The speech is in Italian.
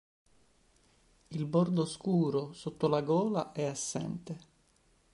Il bordo scuro sotto la gola è assente.